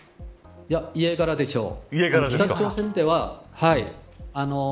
いや、家柄でしょう。